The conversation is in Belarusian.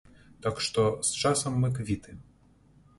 Так што з часам мы квіты.